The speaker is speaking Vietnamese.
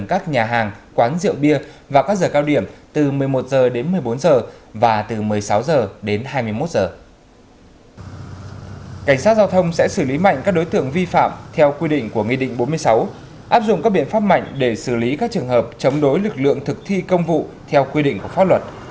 cảnh sát giao thông sẽ xử lý mạnh các đối tượng vi phạm theo quy định của nghị định bốn mươi sáu áp dụng các biện pháp mạnh để xử lý các trường hợp chống đối lực lượng thực thi công vụ theo quy định của pháp luật